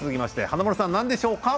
華丸さん、何でしょうか？